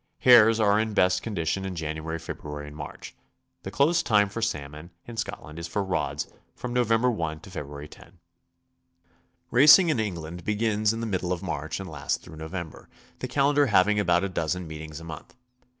Hares are in best condition in January, February, and March. The close time for salmon in Scotland is for rods from Nov. i to February 10. Racing in England begins in the middle of 'March and lasts through November, the calendar having about a dozen meetings a month.